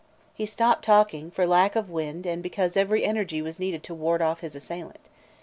He stopped talking, for lack of wind and because every energy was needed to ward off his assailant.